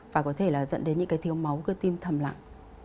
và có thể là dẫn đến những cái thiếu máu cơ tim thầm lặng